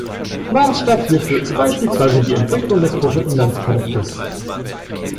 Maßstab hierfür ist beispielsweise die Entwicklung des Bruttoinlandsproduktes.